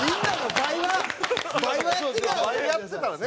倍やってたらね。